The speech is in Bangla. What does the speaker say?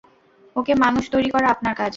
ওকে মানুষ তৈরি করা আপনার কাজ।